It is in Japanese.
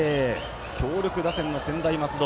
強力打線の専大松戸。